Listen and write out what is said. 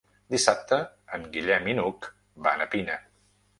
Dissabte en Guillem i n'Hug van a Pina.